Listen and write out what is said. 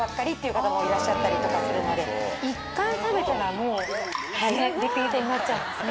１回食べたらもうリピーターになっちゃいますね。